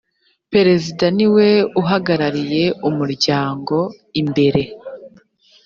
perezida niwe uhagarariye umuryango imbere